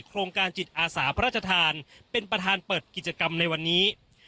โครงการจิตอาสาพระราชทานเป็นประธานเปิดกิจกรรมในวันนี้